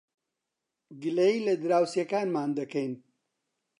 گلەیی لە دراوسێکانمان دەکەین.